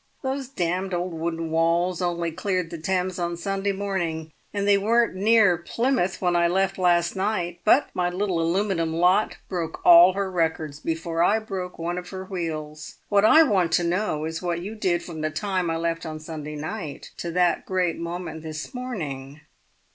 "Those damned old wooden walls only cleared the Thames on Sunday morning, and they weren't near Plymouth when I left last night; but my little aluminium lot broke all her records before I broke one of her wheels. What I want to know is what you did from the time I left on Sunday night to that great moment this morning."